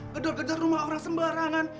gedor gedor rumah orang sembarangan